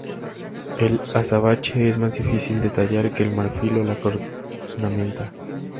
El azabache es más fácil de tallar que el marfil o la cornamenta.